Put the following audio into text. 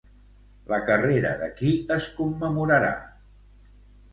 La carrera de qui es commemorarà?